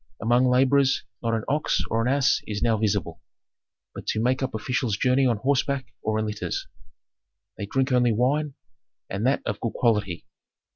Among laborers not an ox or an ass is now visible, but to make up officials journey on horseback or in litters. They drink only wine, and that of good quality."